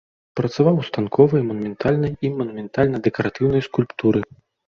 Працаваў у станковай, манументальнай і манументальна-дэкаратыўнай скульптуры.